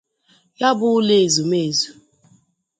Ya bụ ụlọ ezumeezù